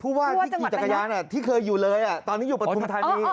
ผู้ว่าที่ขี่จักรยานที่เคยอยู่เลยตอนนี้อยู่ปฐุมธานี